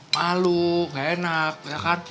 malu gak enak ya kan